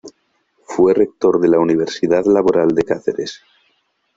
Fue rector de la Universidad Laboral de Cáceres.